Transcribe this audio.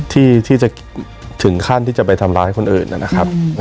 ที่จะถึงขั้นที่จะไปทำร้ายคนอื่นนะครับ